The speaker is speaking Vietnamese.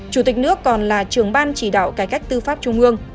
chủ tịch nước còn là trưởng ban chỉ đạo cải cách tư pháp trung ương